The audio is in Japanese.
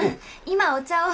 今お茶を。